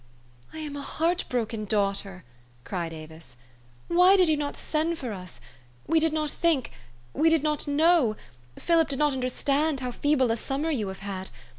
"I am a heart broken daughter!" cried Avis. " Why did }^ou not send for us? We did not think did not know Philip did not understand how feeble a summer you have had